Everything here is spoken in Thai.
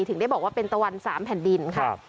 ถึงได้บอกว่าเป็นตะวัน๓แผ่นดินค่ะ